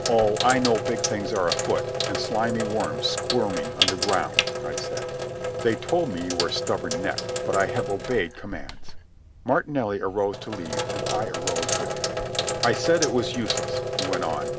"Oh, I know big things are afoot and slimy worms squirming underground," I said. "They told me you were stubborn necked, but I have obeyed commands." Martinelli arose to leave, and I arose with him. "I said it was useless," he went on.